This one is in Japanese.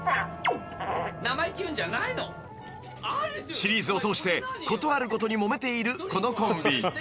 ［シリーズを通して事あるごとにもめているこのコンビ］